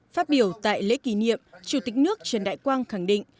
phát biểu tại lễ kỷ niệm chủ tịch nước trần đại quang khẳng định